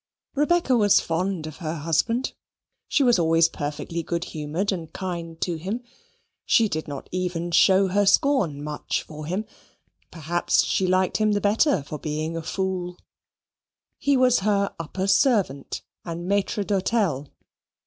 Rebecca was fond of her husband. She was always perfectly good humoured and kind to him. She did not even show her scorn much for him; perhaps she liked him the better for being a fool. He was her upper servant and maitre d'hotel.